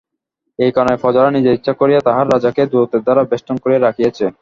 এই কারণে, প্রজারা নিজেই ইচ্ছা করিয়া তাহাদের রাজাকে দূরত্বের দ্বারা বেষ্টন করিয়া রাখিয়াছে।